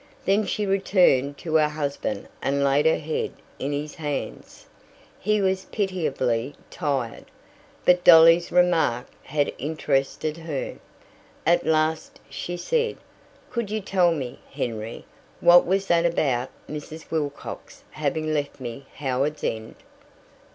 Then she returned to her husband and laid her head in his hands. He was pitiably tired. But Dolly's remark had interested her. At last she said: "Could you tell me, Henry, what was that about Mrs. Wilcox having left me Howards End?"